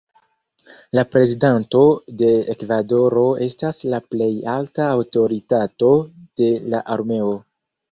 La prezidanto de Ekvadoro estas la plej alta aŭtoritato de la armeo.